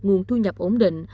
nguồn thu nhập ổn định